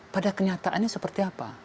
pada kenyataannya seperti apa